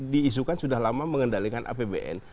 diisukan sudah lama mengendalikan apbn